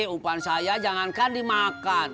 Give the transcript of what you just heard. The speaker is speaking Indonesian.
upan saya jangankan dimakan